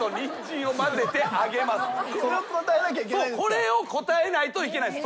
これを答えないといけないんです。